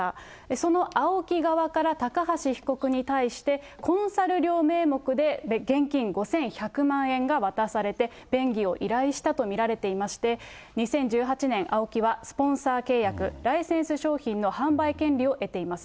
そのＡＯＫＩ側から高橋被告に対して、コンサル料名目で現金５１００万円が渡されて、便宜を依頼したと見られていまして、２０１８年、ＡＯＫＩはスポンサー契約、ライセンス商品の販売権利を得ています。